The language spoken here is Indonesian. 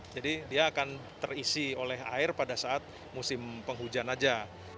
jadi dia akan terisi oleh air pada saat musim penghujan aja